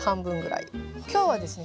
今日はですね